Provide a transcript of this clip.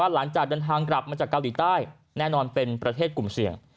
หลังจากเดินทางกลับมาจากเกาหลีใต้แน่นอนเป็นประเทศกลุ่มเสี่ยง